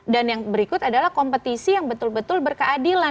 dan yang berikut adalah kompetisi yang betul betul berkeadilan